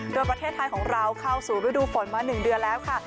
โดยประเทศไทยของเราเข้าสู่ฤดูฝนมา๑เดือนแล้วค่ะ